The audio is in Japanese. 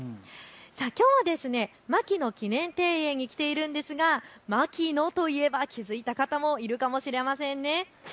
きょうは牧野記念庭園に来ているんですが牧野といえば気付いた方もいるかもしれませんね。